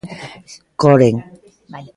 Coren.